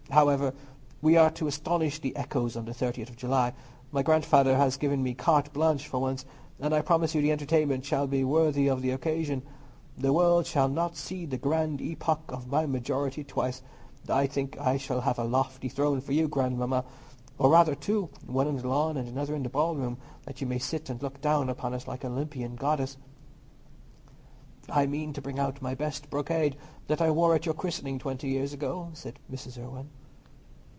However, we are to astonish the echoes on the 30th of July. My grandfather has given me carte blanche for once, and I promise you the entertainment shall be worthy of the occasion. The world will not see the grand epoch of my majority twice. I think I shall have a lofty throne for you, Godmamma, or rather two, one on the lawn and another in the ballroom, that you may sit and look down upon us like an Olympian goddess." "I mean to bring out my best brocade, that I wore at your christening twenty years ago," said Mrs. Irwine.